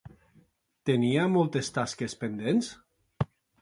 Tenia moltes tasques pendents?